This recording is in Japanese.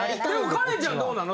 カレンちゃんどうなの？